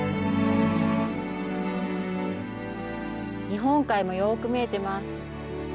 日本海もよく見えてます。